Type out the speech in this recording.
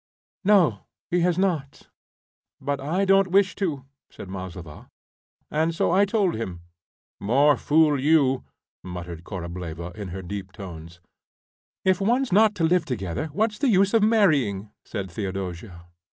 "No, he has not, but I don't wish to," said Maslova, "and so I told him." "More fool you!" muttered Korableva in her deep tones. "If one's not to live together, what's the use of marrying?" said Theodosia.